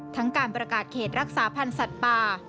การประกาศเขตรักษาพันธ์สัตว์ป่า